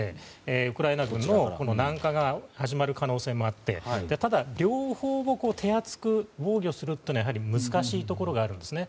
ウクライナ軍の南下が始まる可能性もあってただ、両方とも手厚く防御するというのはやはり難しいところがあるんですね。